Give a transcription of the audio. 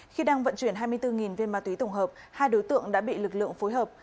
khi đang vận chuyển hai mươi bốn viên ma túy tổng hợp hai đối tượng đã bị lực lượng phối hợp